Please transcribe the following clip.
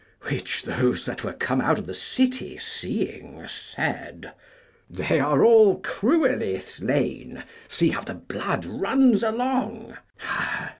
Which those that were come out of the city seeing, said, They are all cruelly slain; see how the blood runs along.